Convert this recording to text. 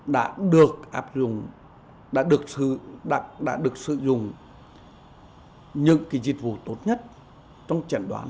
đã được áp dụng đã được sử dụng những dịch vụ tốt nhất trong chẩn đoán